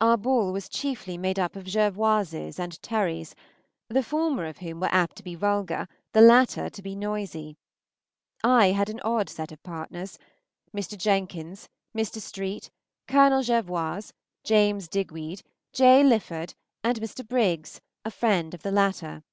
Our ball was chiefly made up of Jervoises and Terrys, the former of whom were apt to be vulgar, the latter to be noisy. I had an odd set of partners: Mr. Jenkins, Mr. Street, Colonel Jervoise, James Digweed, J. Lyford, and Mr. Briggs, a friend of the latter.